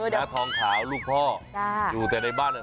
และทองข่าวลูกพ่ออยู่แต่ในบ้านเลย